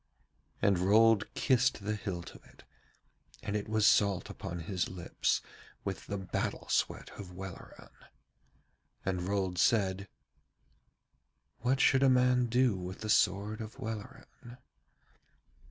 And Rold kissed the hilt of it, and it was salt upon his lips with the battle sweat of Welleran. And Rold said: 'What should a man do with the sword of Welleran?'